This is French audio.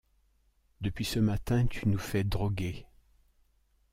Depuis ce matin, tu nous fais droguer.